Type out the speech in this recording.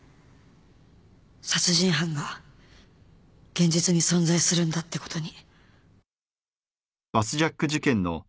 殺人犯が現実に存在するんだってことに。